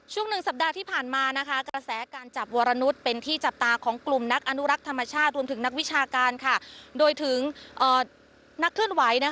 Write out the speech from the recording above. หนึ่งสัปดาห์ที่ผ่านมากระแสการจับวรนุษย์เป็นที่จับตาของกลุ่มนักอนุรักษ์ธรรมชาติรวมถึงนักวิชาการโดยถึงนักเคลื่อนไหว